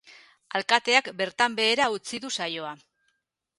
Alkateak bertan behera utzi du saioa.